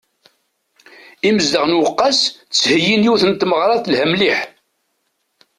Imezdaɣ n uqqas ttheyyin yiwen n tmeɣṛa telha mliḥ.